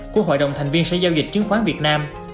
của hội đồng thành viên sở giao dịch chứng khoán việt nam